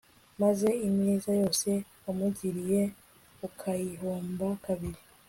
maze ineza yose wamugiriye, ukayihomba kabiri